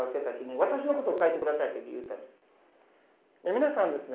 皆さんですね